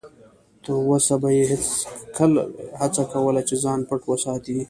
تر وسه به یې هڅه کوله چې ځان پټ وساتي.